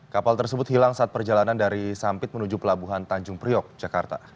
kapal tersebut hilang saat perjalanan dari sampit menuju pelabuhan tanjung priok jakarta